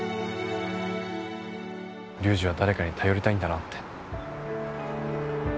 龍二は誰かに頼りたいんだなって。